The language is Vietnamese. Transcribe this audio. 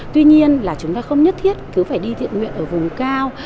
tuy nhiên là chúng ta không nhất thiết cứ phải đi thiện nguyện ở vùng cao